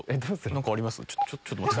何かあります？